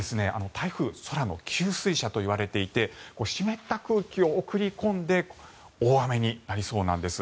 台風、空の給水車といわれていて湿った空気を送り込んで大雨になりそうなんです。